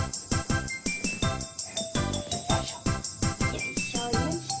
よいしょよいしょ。